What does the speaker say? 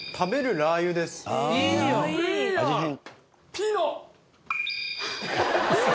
ピノ！